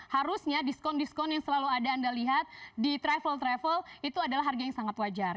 harusnya diskon diskon yang selalu ada anda lihat di travel travel itu adalah harga yang sangat wajar